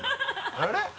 あれ？